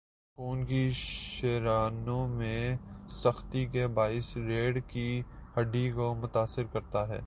خون کی شریانوں میں سختی کے باعث ریڑھ کی ہڈی کو متاثر کرتا ہے